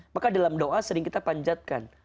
maka dalam doa sering kita panjatkan